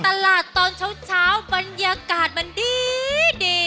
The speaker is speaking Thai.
ตอนเช้าบรรยากาศมันดี